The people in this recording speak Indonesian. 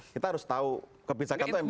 kita harus tahu kebijakan itu yang mereka ada